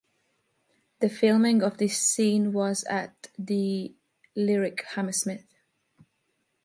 The filming of this scene was at The Lyric Hammersmith.